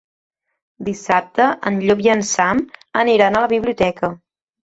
Dissabte en Llop i en Sam aniran a la biblioteca.